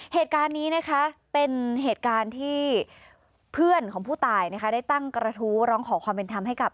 เหตุการณ์นี้นะคะเป็นเหตุการณ์ที่เพื่อนของผู้ตายนะคะได้ตั้งกระทู้ร้องขอความเป็นธรรมให้กับ